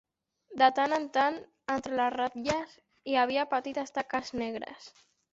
De tant en tant, entre les ratlles, hi havia petites taques negres.